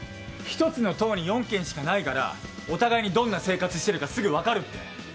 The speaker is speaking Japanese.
１つの棟に４軒しかないからお互いにどんな生活してるかすぐ分かるって。